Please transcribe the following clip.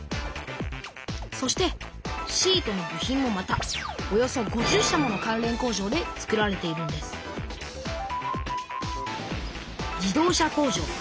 そしてシートの部品もまたおよそ５０社もの関連工場でつくられているんです自動車工場。